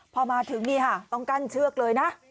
พอมาถึงนี่ค่ะต้องกั้นเชือกเลยนะ